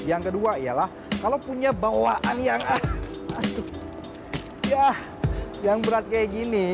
yang kedua ialah kalau punya bawaan yang berat kayak gini